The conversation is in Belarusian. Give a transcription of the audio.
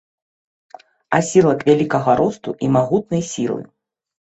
Асілак вялікага росту і магутнай сілы.